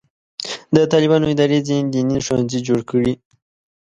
د طالبانو ادارې ځینې دیني ښوونځي جوړ کړي.